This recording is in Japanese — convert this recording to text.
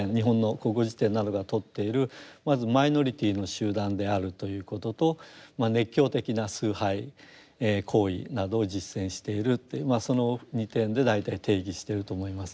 まずマイノリティーの集団であるということと熱狂的な崇拝行為などを実践しているというその２点で大体定義してると思います。